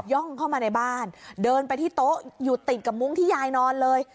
่องเข้ามาในบ้านเดินไปที่โต๊ะอยู่ติดกับมุ้งที่ยายนอนเลย